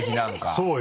そうよ。